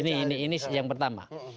ini ini ini yang pertama